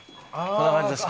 こんな感じです。